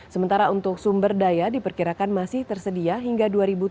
sementara untuk sumber daya diperkirakan masih tersedia hingga dua ribu tujuh belas